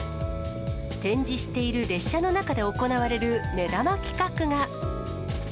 展示している列車の中で行われる目玉企画が。